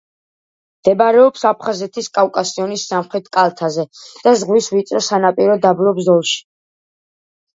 მდებარეობს აფხაზეთის კავკასიონის სამხრეთ კალთაზე და ზღვის ვიწრო სანაპირო დაბლობ ზოლში.